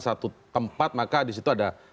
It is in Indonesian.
satu tempat maka di situ ada